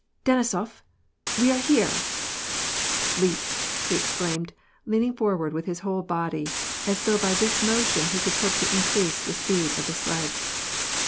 " Denisof ! We are here I — Asleep !" he exclaimed, leaning forward with his whole body, as though by this motion he could hope to increase the speed of the sledge.